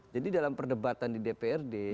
jadi dalam perdebatan di dprd